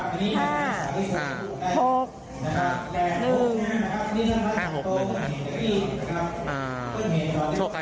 ก็มีห้าสามหกสิบห้าหกหนึ่งนะฮะสี่อ่า